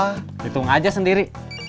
hitung aja sendiri